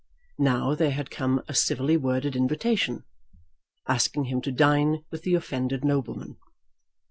Now there had come a civilly worded invitation, asking him to dine with the offended nobleman.